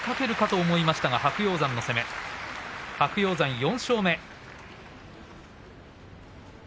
白鷹山、４勝目。